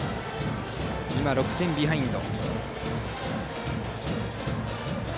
今、６点ビハインド。